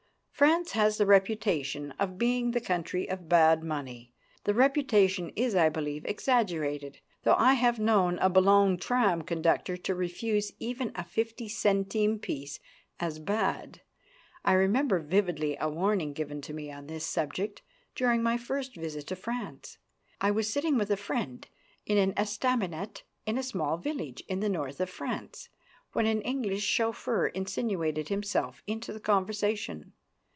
France has the reputation of being the country of bad money. The reputation is, I believe, exaggerated, though I have known a Boulogne tram conductor to refuse even a 50 centime piece as bad. I remember vividly a warning given to me on this subject during my first visit to France. I was sitting with a friend in an estaminet in a small village in the north of France, when an English chauffeur insinuated himself into the conversation.